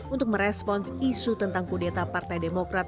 untuk merespons isu tentang kudeta partai demokrat